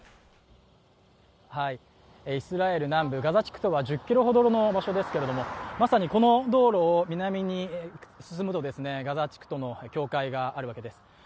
イスラエル南部、ガザ地区とは１０ｋｍの場所ですけどまさにこの道路を南に進むと、ガザ地区との境界があるわけです。